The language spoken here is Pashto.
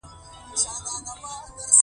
د ښځو او سړو سلسله مراتب وروسته بحث کې دي.